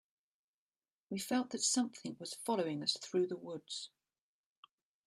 We felt that something was following us through the woods.